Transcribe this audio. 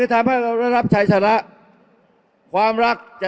อย่าให้ลุงตู่สู้คนเดียว